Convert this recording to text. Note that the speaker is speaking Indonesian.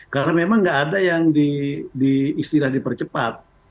karena memang nggak ada yang diistilah dipercepat